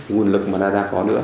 nguồn lực mà radar có nữa